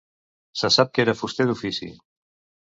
Se sap que era fuster d'ofici.